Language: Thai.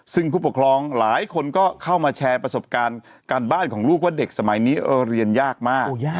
ซึ่งผู้ปกครองหลายคนก็เข้ามาแชร์ประสบการณ์การบ้านของลูกว่าเด็กสมัยนี้เรียนยากมาก